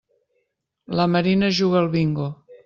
La Marina juga al bingo.